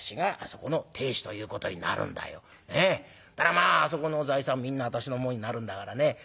まああそこの財産みんな私のもんになるんだからね